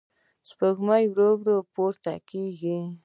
سپوږمۍ ورو ورو پورته کېږي.